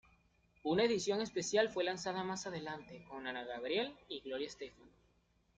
Una edición especial fue lanzada más adelante, con Ana Gabriel y Gloria Estefan.